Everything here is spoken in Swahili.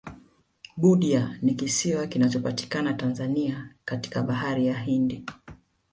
budya ni kisiwa kinachopatikana tanzania katika bahari ya hindi